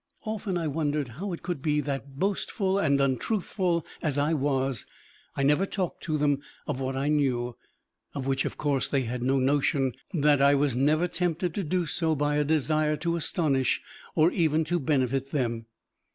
Often I wondered how it could be that, boastful and untruthful as I was, I never talked to them of what I knew of which, of course, they had no notion that I was never tempted to do so by a desire to astonish or even to benefit them.